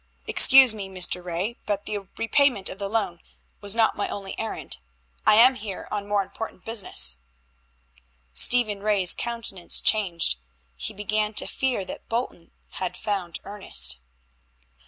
"Excuse me, Mr. Ray, but the repayment of the loan was not my only errand. I am here on more important business." Stephen Ray's countenance changed. He began to fear that Bolton had found Ernest.